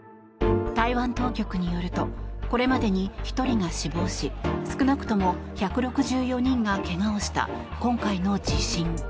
台湾当局によるとこれまでに１人が死亡し少なくとも１６４人が怪我をした今回の地震。